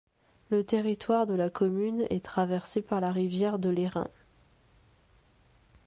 Le territoire de la commune est traversé par la rivière de l'Airain.